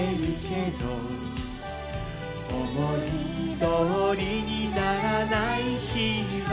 「思いどおりにならない日は」